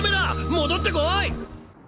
戻って来い！